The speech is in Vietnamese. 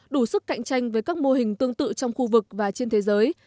đủ sức cạnh tranh với các mô hình tương tự trong khu vực và trên thế giới